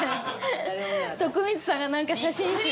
徳光さんがなんか写真集。